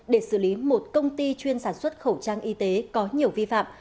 để xử lý một công ty chuyên sản xuất khẩu trang y tế có nhiều vi phạm